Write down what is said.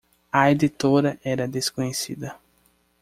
A editora era desconhecida.